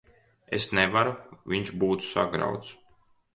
Es nevaru. Viņš būtu sagrauts.